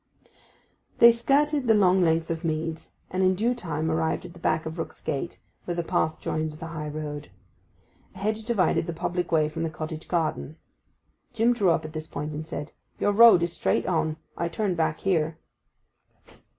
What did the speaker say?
They skirted the long length of meads, and in due time arrived at the back of Rook's Gate, where the path joined the high road. A hedge divided the public way from the cottage garden. Jim drew up at this point and said, 'Your road is straight on: I turn back here.